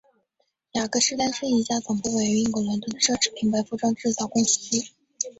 雅格狮丹是一家总部位于英国伦敦的奢侈品牌服装制造公司。